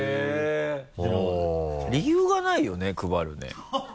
理由がないよね配るね。